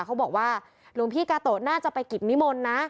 เขาบอกว่าหลวงพี่กาโตะน่าจะไปกิจนิมนต์นะ